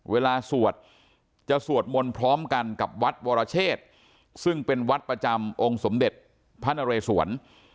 สวดจะสวดมนต์พร้อมกันกับวัดวรเชษซึ่งเป็นวัดประจำองค์สมเด็จพระนเรศวร